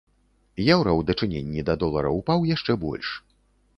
Еўра ў дачыненні да долара ўпаў яшчэ больш.